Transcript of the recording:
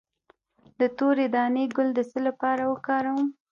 د تورې دانې ګل د څه لپاره وکاروم؟